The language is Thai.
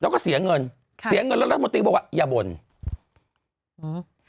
แล้วก็เสียเงินค่ะเสียเงินแล้วรัฐมนตรีบอกว่าอย่าบ่นอืม